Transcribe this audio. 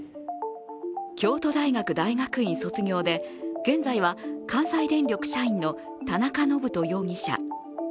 京都大学大学院卒業で、現在は関西電力社員の田中信人容疑者。